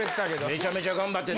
めちゃめちゃ頑張ってた。